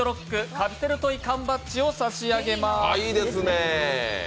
カプセルトイ缶バッジをさしあげます。